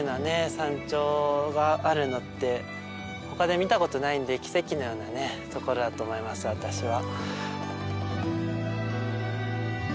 山頂があるのってほかで見たことないんで奇跡のようなところだと思います私は。